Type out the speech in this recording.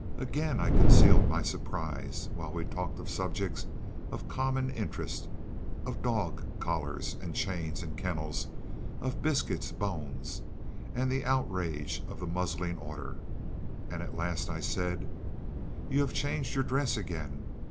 Again I concealed my surprise, while we talked of subjects of common interest, of dog collars and chains and kennels, of biscuits, bones, and the outrage of the muzzling order; and at last I said "You have changed your dress again.